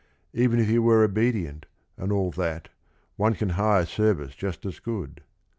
Even if he were obedient and all that, one can hire service just as good.